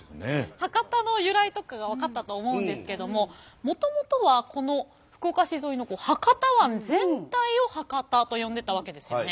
博多の由来とかが分かったと思うんですけどももともとはこの福岡市沿いの博多湾全体を博多と呼んでたわけですよね。